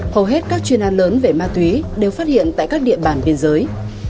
hầu hết các chuyên an lớn về ma túy đều phát hiện tại các địa bàn biên giới